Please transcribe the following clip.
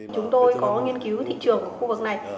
chúng tôi có nghiên cứu thị trường của khu vực này